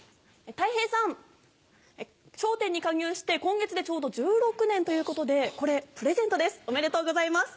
たい平さん『笑点』に加入して今月でちょうど１６年ということでこれプレゼントですおめでとうございます。